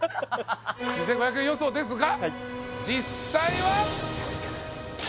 ２５００円予想ですが実際は？